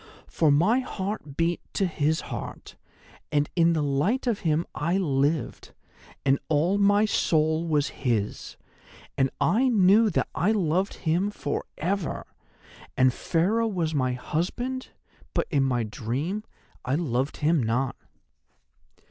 For my heart beat to his heart, and in the light of him I lived, and all my soul was his, and I knew that I loved him for ever. And Pharaoh was my husband; but, in my dream, I loved him not.